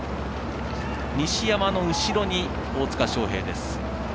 西山の後ろに大塚祥平です。